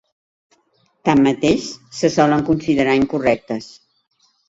Tanmateix se solen considerar incorrectes.